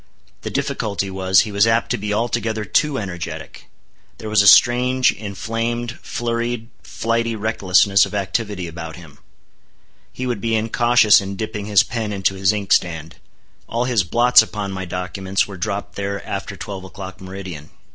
The difficulty was, he was apt to be altogether too energetic. There was a strange, inflamed, flurried, flighty recklessness of activity about him. He would be incautious in dipping his pen into his inkstand. All his blots upon my documents, were dropped there after twelve o'clock, meridian.